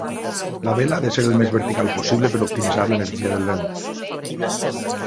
La vela ha de ser el més vertical possible per optimitzar l'energia del vent.